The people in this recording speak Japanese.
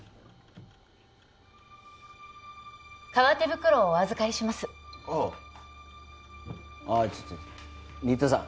革手袋をお預かりしますああおいちょっちょっ新田さん